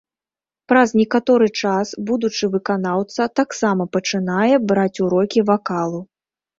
Праз некаторы час будучы выканаўца таксама пачынае браць урокі вакалу.